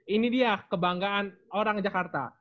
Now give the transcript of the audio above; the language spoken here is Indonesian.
ini dia kebanggaan orang jakarta